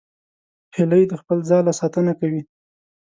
هیلۍ د خپل ځاله ساتنه کوي